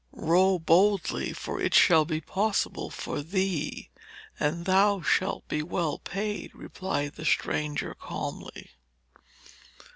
'Row boldly, for it shall be possible for thee, and thou shalt be well paid,' replied the stranger calmly.